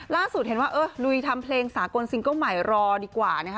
ล่าสุดเห็นว่าเออลุยทำเพลงสากลซิงเกิ้ลใหม่รอดีกว่านะคะ